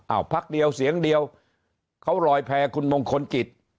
พักเดียวเสียงเดียวเขาลอยแพ้คุณมงคลกิจ